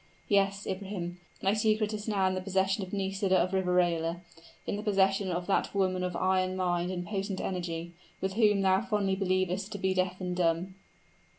Yes, Ibrahim, thy secret is now in possession of Nisida of Riverola; in the possession of that woman of iron mind and potent energy, and whom thou fondly believest to be deaf and dumb!